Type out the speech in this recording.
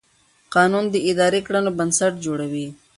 قانون د اداري کړنو بنسټ جوړوي.